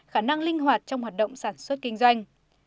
khả năng linh hoạt trong hoạt động sản xuất kinh doanh